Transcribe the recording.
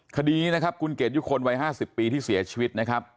คดีนี้นะครับคุณเกดยุคลวัย๕๐ปีที่เสียชีวิตนะครับ